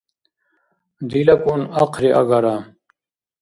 Дилакӏун ахъри агара?